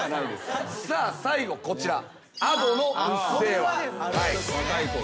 さあ最後こちら。